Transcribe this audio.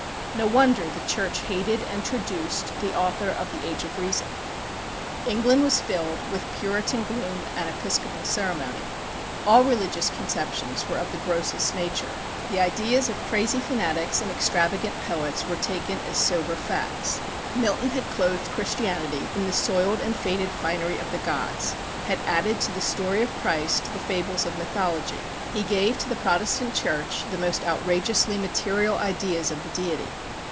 No wonder the Church hated and traduced the author of the "Age of Reason." England was filled with Puritan gloom and Episcopal ceremony. All religious conceptions were of the grossest nature. The ideas of crazy fanatics and extravagant poets were taken as sober facts. Milton had clothed Christianity in the soiled and faded finery of the gods had added to the story of Christ the fables of Mythology. He gave to the Protestant Church the most outrageously material ideas of the Deity.